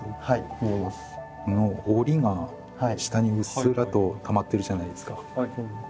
このおりが下にうっすらとたまってるじゃないですか。